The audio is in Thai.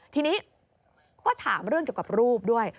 ทีนี้ก็ถามเรื่องเกี่ยวกับรูปด้วย